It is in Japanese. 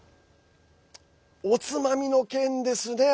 おつまみの件ですね。